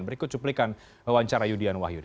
berikut cuplikan wawancara yudhian wahyudi